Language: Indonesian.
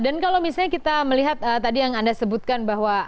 dan kalau misalnya kita melihat tadi yang anda sebutkan bahwa